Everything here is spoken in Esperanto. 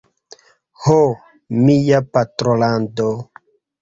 Ho, mia patrolando!